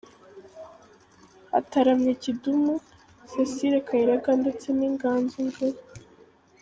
hataramye Kidum, Cecile Kayirebwa ndetse n’Inganzo Ngari.